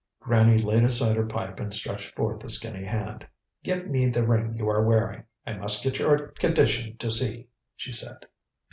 Granny laid aside her pipe and stretched forth a skinny hand. "Give me the ring you are wearing. I must get your condition to see," she said.